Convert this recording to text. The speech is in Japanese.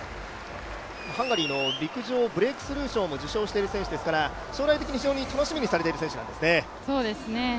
ハンガリーの陸上ブレークスルー賞も受賞している選手ですから将来的に非常に楽しみにされている選手なんですね。